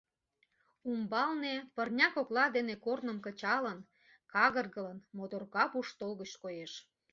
Умбалне, пырня кокла дене корным кычалын, кагыргылын, моторка пуш толгыч коеш.